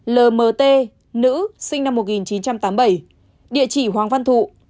lmt nữ sinh năm một nghìn chín trăm tám mươi bảy địa chỉ hoàng văn thụ